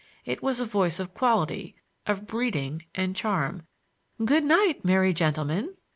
It was a voice of quality, of breeding and charm. "Good night, merry gentlemen!"